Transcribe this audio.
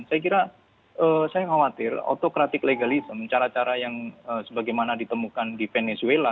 saya kira saya khawatir autokratik legalisme cara cara yang sebagaimana ditemukan di venezuela